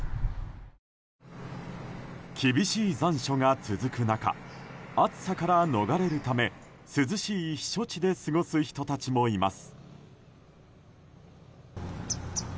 厳しい残暑が続く中暑さから逃れるため涼しい避暑地で過ごす人たちもいます。